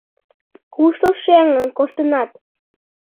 Кушто шеҥын коштынат?